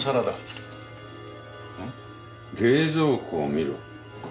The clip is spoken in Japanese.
「冷蔵庫を見ろ」。